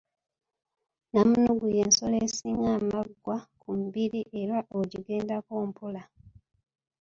Nnamunnungu y’ensolo esinga amaggwa ku mubiri era ogigendako mpola.